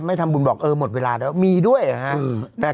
ไม่ทำบุญบอกเออหมดเวลาแต่ว่ามันมีด้วยนะฮะ